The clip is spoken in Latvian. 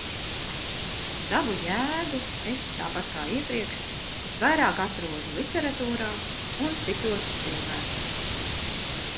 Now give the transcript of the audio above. Savu jēgu es tāpat kā iepriekš visvairāk atrodu literatūrā un citos cilvēkos.